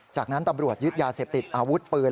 จากนั้นตำรวจยึดยาเสพติดอาวุธปืน